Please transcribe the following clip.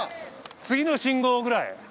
次の信号くらい。